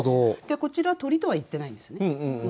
こちら鳥とは言ってないんですよね。